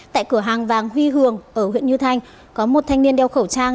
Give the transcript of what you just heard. tại cửa hàng vàng huy hường ở huyện như thanh có một thanh niên đeo khẩu trang